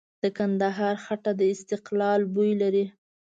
د کندهار خټه د استقلال بوی لري.